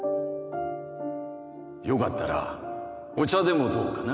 よかったらお茶でもどうかな？